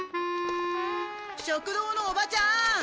食堂のおばちゃん！